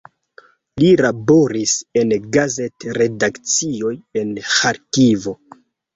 Li laboris en gazet-redakcioj en Ĥarkivo.